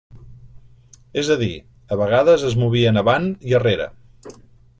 És a dir, a vegades es movien avant i arrere.